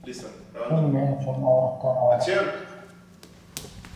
Tun men uchun og‘irdan og‘ir kechdi